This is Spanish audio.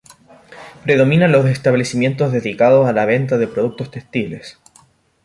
Predominan los establecimientos dedicados a la venta de productos textiles.